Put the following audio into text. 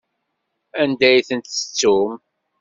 Anda ay tent-tettum?